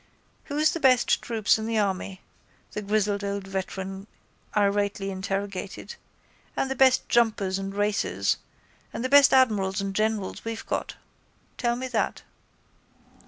—Who's the best troops in the army? the grizzled old veteran irately interrogated. And the best jumpers and racers? And the best admirals and generals we've got? Tell me that.